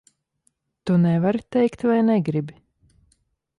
Tu nevari teikt vai negribi?